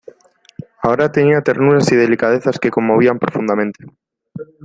Ahora tenía ternuras y delicadezas que conmovían profundamente.